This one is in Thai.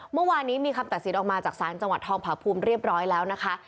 เมื่อวานนี้มีคำตัดสินออกมาจากศาลจังหวัดทองผาภูมิเรียบร้อยแล้วนะคะ